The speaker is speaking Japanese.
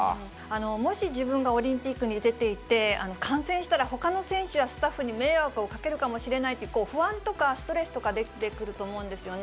もし自分がオリンピックに出ていて、感染したらほかの選手やスタッフに迷惑をかけるかもしれないという不安とかストレスとか、出てくると思うんですね。